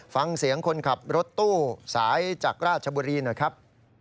ฟังเสียงคนขับรถตู้สายจากราชบุรีหน่อยครับ